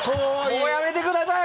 もうやめてください！